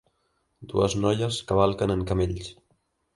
Dues noies cavalquen en camells